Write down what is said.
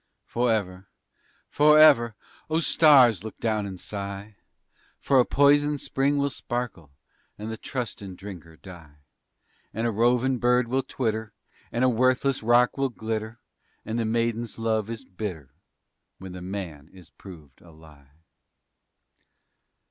_Forever forever _ Oh, stars, look down and sigh, For a poison spring will sparkle And the trustin' drinker die. And a rovin' bird will twitter And a worthless rock will glitter And the maiden's love is bitter _When the man's is proved a lie.